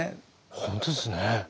本当ですね。